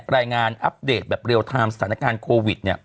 อัปเดตแบบเรียลไทม์สถานการณ์โควิด